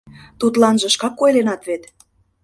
— Тудланже шкак ойленат вет?